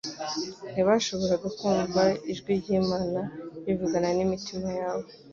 Ntibashoboraga kumva ijwi ry'Imana rivugana n'imitima ya bo.